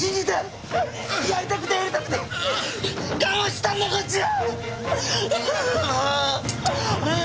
やりたくてやりたくて我慢してたんだこっちは！